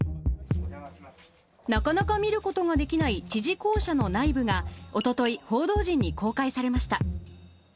なかなか見ることができない知事公舎の内部がおととい、報道陣に公開されました。